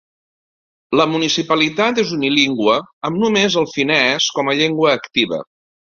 La municipalitat és unilingüe amb només el finès com a llengua activa.